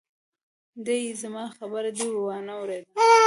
_ادې! زما خبره دې وانه ورېده!